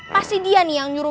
pasti dia nih yang nyuruh